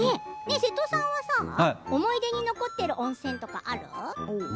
瀬戸さんは思い出に残っている温泉はある。